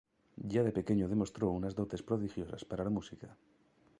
Ya de pequeño demostró unas dotes prodigiosas para la música.